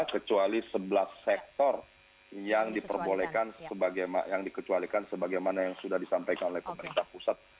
kecuali sebelas sektor yang diperbolehkan yang dikecualikan sebagaimana yang sudah disampaikan oleh pemerintah pusat